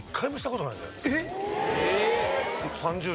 えっ！？